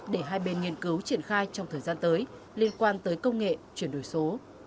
để hai bên nghiên cứu triển khai trong thời gian tới liên quan tới công nghệ chuyển đổi số